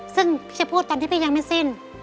ซึ่งพี่จะพูดตอนที่พี่ยังไม่สิ้น